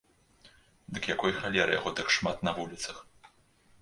Дык якой халеры яго так шмат на вуліцах?